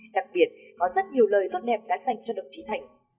đặc biệt có rất nhiều lời tốt đẹp đã dành cho đồng chí thành